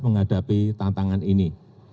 menghadapi tantangan ini